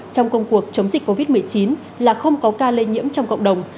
trong công cuộc chống dịch covid một mươi chín là không có ca lây nhiễm trong cộng đồng